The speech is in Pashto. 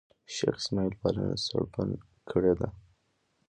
شېخ اسماعیل پالنه سړبن کړې ده.